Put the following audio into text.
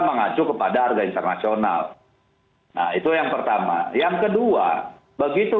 mengacu kepada harga internasional nah itu yang pertama yang kedua begitu